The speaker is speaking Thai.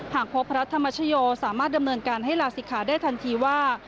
หากพบพระธรรมชโยสามารถดำเนินการให้ลาศิกขาได้ทันทีว่า